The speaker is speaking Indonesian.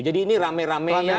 jadi ini rame rame ya